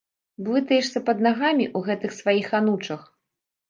Блытаешся пад нагамі ў гэтых сваіх анучах!